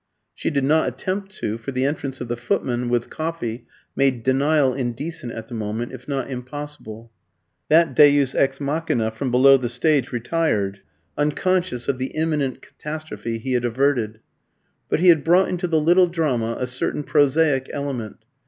She did not attempt to; for the entrance of the footman with coffee made denial indecent at the moment, if not impossible. That deus ex machina from below the stage retired, unconscious of the imminent catastrophe he had averted. But he had brought into the little drama a certain prosaic element.